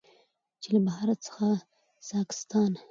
چې له بهارت څخه ساکستان،